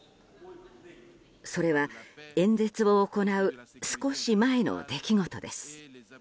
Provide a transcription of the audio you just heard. それは、演説を行う少し前の出来事です。